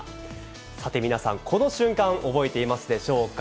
さて皆さん、この瞬間、覚えていますでしょうか。